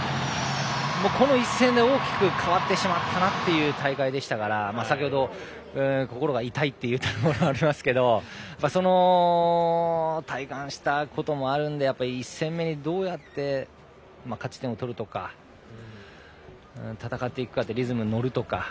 この一戦で大きく変わってしまったなという大会でしたから先程、心が痛いと言ったのもありますがそれを体感したこともあるので１戦目、どうやって勝ち点を取るとか戦っていくかとかリズムに乗るとか。